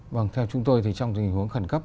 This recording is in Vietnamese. vâng theo chúng tôi thì trong tình huống khẩn cấp